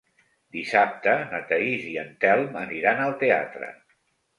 Dissabte na Thaís i en Telm aniran al teatre.